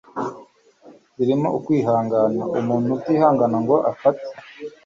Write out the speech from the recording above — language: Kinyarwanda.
zirimo ukwihangana. umuntu utihangana, ngo afate